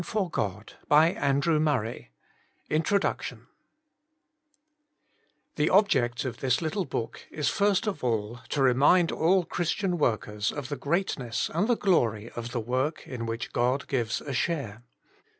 REVELL COMPANY (August) INTRODUCTION THE object of this little book is first of all to remind all Christian workers of the greatness and the glory of the work in which God gives a share.